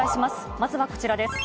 まずはこちらです。